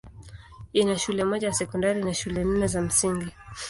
Ina shule moja ya sekondari na shule nne za msingi.